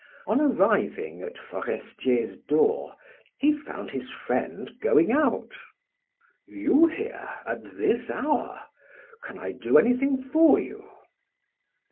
On arriving at Forestier's door, he found his friend going out. "You here at this hour! Can I do anything for you?"